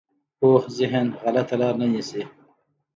پوخ ذهن غلطه لاره نه نیسي